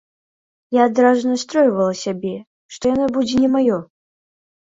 Я адразу настройвала сябе, што яно будзе не маё.